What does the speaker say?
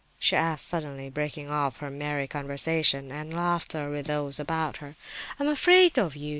she asked suddenly, breaking off her merry conversation and laughter with those about her. "I'm afraid of you!